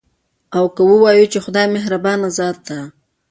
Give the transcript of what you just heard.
او که ووايو، چې خدايه مهربانه ذاته ده